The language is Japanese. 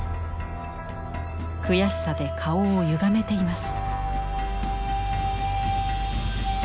悔しさで顔をゆがめています。